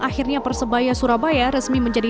akhirnya persebaya surabaya resmi menjadi